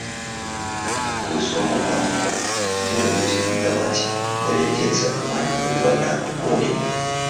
Такую суму ў банку мне дадуць, аддаваць давядзецца амаль удвая болей.